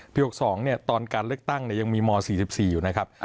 ๖๒ตอนการเลือกตั้งยังมีม๔๔อยู่นะครับ